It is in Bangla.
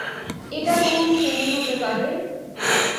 এটা কোন প্রাণী হতে পারে।